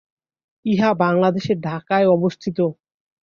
ইহা বাংলাদেশের ঢাকায় অবস্থিত।